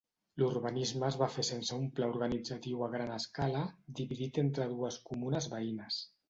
L'urbanisme es va fer sense un pla organitzatiu a gran escala, dividit entre dues comunes veïnes.